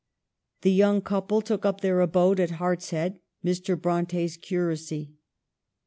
The young couple took up their abode at Harts head, Mr. Brontes curacy.